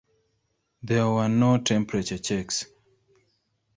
There were no temperature checks.